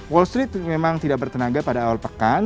wall street memang tidak bertenaga pada awal pekan